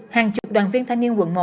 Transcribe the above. hàng chục đoàn viên thanh niên quận một